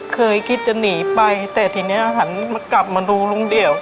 เคยคิดจะหนีไปแต่ทีนี้หันมากลับมาดูลุงเดี่ยว